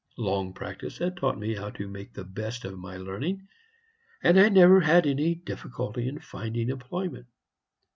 Long practice had taught me how to make the best of my learning, and I never had any difficulty in finding employment.